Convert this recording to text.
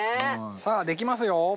さあできますよ。